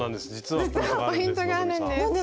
実はポイントがあるんです希さん。